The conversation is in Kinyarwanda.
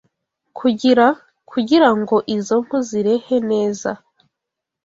kugira kugirango izo mpu zirehe neza